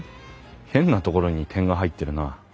変なところに点が入ってるな。